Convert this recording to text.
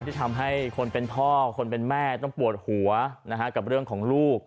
ที่ทำให้คนเป็นพ่อคนเป็นแม่ต้องปวดหัวกับเรื่องของลูก